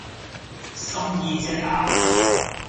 十二隻鴨